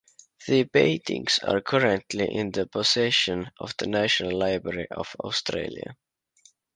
The paintings are currently in the possession of the National Library of Australia.